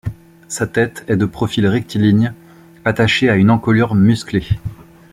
Sa tête est de profil rectiligne, attachée à une encolure musclée.